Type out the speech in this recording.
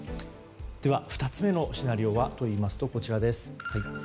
では２つ目のシナリオといいますとこちらです。